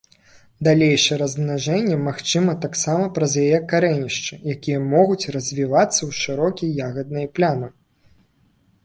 Далейшае размнажэнне магчыма таксама праз яе карэнішчы, якія могуць развівацца ў шырокія ягадныя плямы.